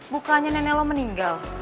bukannya nenek lo meninggal